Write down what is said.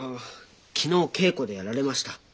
昨日稽古でやられました。